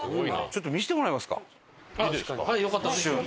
ちょっと見せてもらえますか？